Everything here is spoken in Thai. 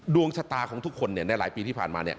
ดวงชะตาของทุกคนในหลายปีที่ผ่านมา